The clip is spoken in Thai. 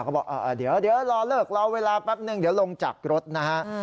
เขาบอกเดี๋ยวรอเลิกรอเวลาแป๊บนึงเดี๋ยวลงจากรถนะฮะ